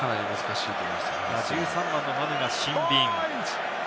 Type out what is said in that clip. １３番のマヌがシンビン。